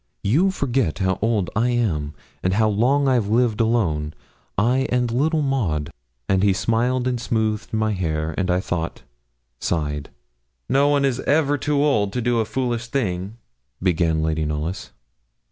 'You forget how old I am, and how long I've lived alone I and little Maud;' and he smiled and smoothed my hair, and, I thought, sighed. 'No one is ever too old to do a foolish thing,' began Lady Knollys.